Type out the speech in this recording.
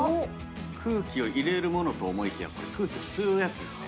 空気を入れる物と思いきや空気を吸うやつですね。